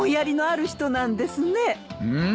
うん。